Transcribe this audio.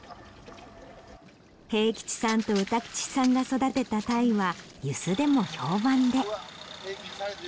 平吉さんと歌吉さんが育てたタイは遊子でも評判で。